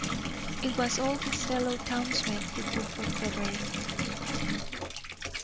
It was all his fellow townsmen could do for Frederick.